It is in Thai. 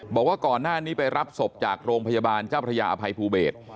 บอกว่าก่อนหน้านี้ไปรับศพจากโรงพยาบาลเจ้าพระยาอภัยภูเบศ